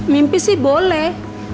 mimpi sih boleh